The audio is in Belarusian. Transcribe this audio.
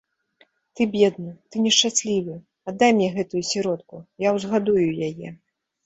Ты бедны, ты нешчаслівы, аддай мне гэтую сіротку, я ўзгадую яе.